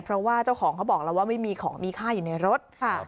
เพราะว่าเจ้าของเขาบอกแล้วว่าไม่มีของมีค่าอยู่ในรถ